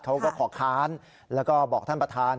เขาก็ขอค้านแล้วก็บอกท่านประธาน